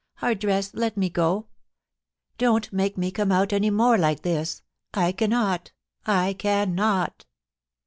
Hardress, let me go ; don't make me come out any more like this. I cannot — I cannot